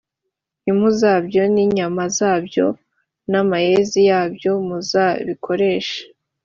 impu zabyo n’inyama zabyo n’amayezi yabyo muzabikoreshe